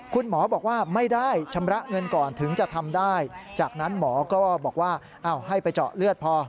คุณหมอบอกว่าไม่ได้ชำระเงินก่อนถึงจะทำได้จากนั้นหมอก็บอกว่าให้ไปเจาะเลือดพอ